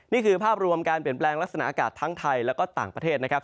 นี่คือภาพรวมการเปลี่ยนแปลงลักษณะอากาศทั้งไทยแล้วก็ต่างประเทศนะครับ